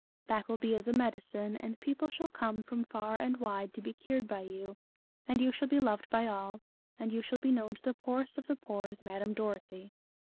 That will be as a medi cine, and people shall come from far and wide to be cured by you, and you shall be loved by all, and you shall be known to the poorest of the poor as Madame Dorothy."